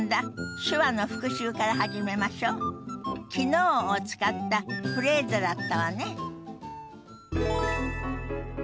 「昨日」を使ったフレーズだったわね。